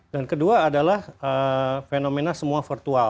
dan kedua adalah fenomena semua virtual